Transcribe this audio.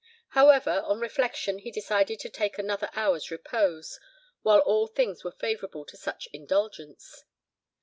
However, on reflection he decided to take another hour's repose, while all things were favourable to such indulgence.